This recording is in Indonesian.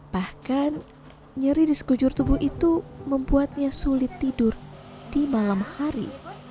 bahkan nyeri di sekujur tubuh itu membuatnya sulit tidur di malam hari